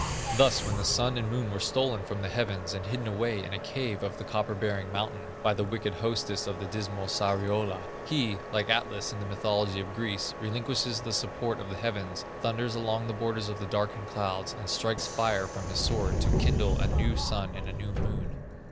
Thus, when the Sun and Moon were stolen from the heavens, and hidden away in a cave of the copper bearing mountain, by the wicked hostess of the dismal Sariola, he, like Atlas in the mythology of Greece, relinquishes the support of the heavens, thunders along the borders of the darkened clouds, and strikes fire from his sword to kindle a new sun and a new moon.